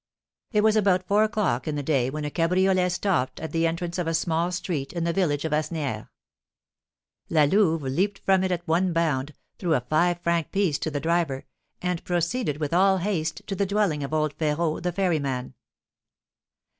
It was about four o'clock in the day when a cabriolet stopped at the entrance of a small street in the village of Asnières. La Louve leaped from it at one bound, threw a five franc piece to the driver, and proceeded with all haste to the dwelling of old Férot, the ferryman.